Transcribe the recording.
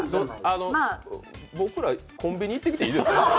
僕ら、コンビニ行ってきていいですか？